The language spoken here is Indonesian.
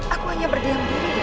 aku hanya berdiam diri di kapal